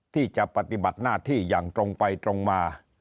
ที่จะปฏิบัติหน้าที่อย่างตรงไปตรงมา